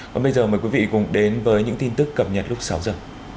còn bây giờ mời quý vị cùng đến với những tin tức cập nhật lúc sáu giờ